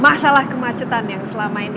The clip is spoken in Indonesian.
masalah kemacetan yang selama ini